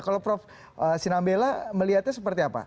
kalau prof sinambela melihatnya seperti apa